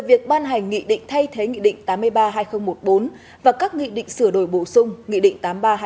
phương hành nghị định thay thế nghị định tám mươi ba hai nghìn một mươi bốn và các nghị định sửa đổi bổ sung nghị định tám mươi ba hai nghìn một mươi bốn